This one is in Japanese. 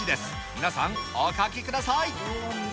皆さん、お書きください。